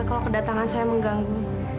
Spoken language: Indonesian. kalau kedatangan saya mengganggu